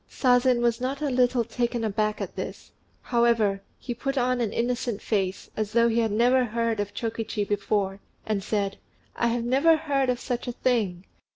Sazen was not a little taken aback at this; however, he put on an innocent face, as though he had never heard of Chokichi before, and said, "I never heard of such a thing!